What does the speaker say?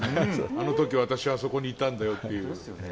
あの時、私はあそこにいたんだよっていう。